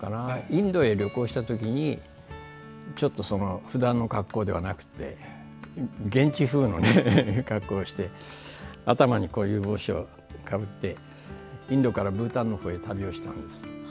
インドへ旅行したときにちょっとふだんの格好ではなくて現地風の格好をして頭にこういう帽子をかぶってインドからブータンのほうへ旅をしてたんです。